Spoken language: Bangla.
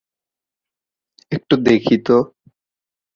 একটু দেখি তো।